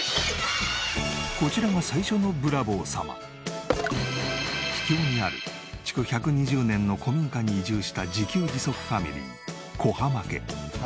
こちらが最初の秘境にある築１２０年の古民家に移住した自給自足ファミリー小濱家。